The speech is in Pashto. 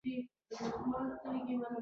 ورزش د بدن ټول غړي متوازن ساتي.